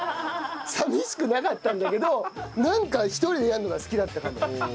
寂しくなかったんだけどなんか一人でやるのが好きだったかも。